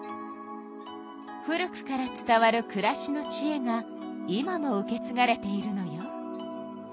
古くから伝わるくらしのちえが今も受けつがれているのよ。